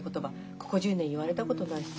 ここ１０年言われたことないしさ。